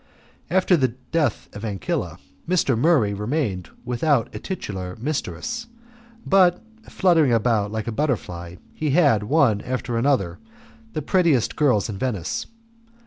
After the death of Ancilla, Mr. Murray remained without a titular mistress, but, fluttering about like a butterfly, he had, one after another, the prettiest girls in Venice.